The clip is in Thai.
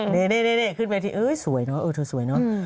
นี่ขึ้นไปอีกทีเอ้ยสวยเนอะเออเธอสวยเนอะ